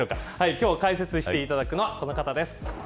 今日解説していただくのはこの方です。